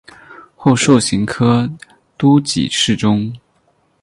后授刑科都给事中。